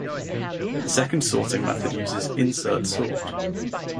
The second sorting method uses insert sort.